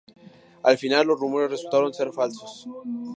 Al final, los rumores resultaron ser falsos.